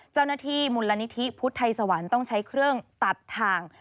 เจ้าหน้าที่มูลนิธิพุทธไทยสวรรค์ต้องใช้เครื่องตัดทาง